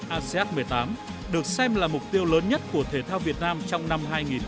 asean một mươi tám được xem là mục tiêu lớn nhất của thể thao việt nam trong năm hai nghìn một mươi chín